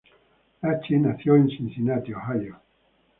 Lachey nació en Cincinnati, Ohio.